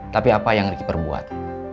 tapi apa yang ricky perbuat